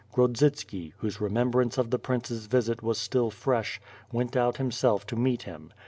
Grodzitski, whose remembrance of the prince's visit was still fresh, went out himself to meet him.